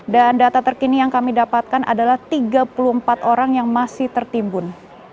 dan data terkini yang kami dapatkan adalah tiga puluh empat orang yang masih tertimbun